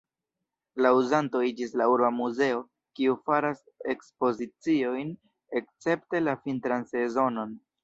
La uzanto iĝis la urba muzeo, kiu faras ekspoziciojn escepte la vintran sezonon.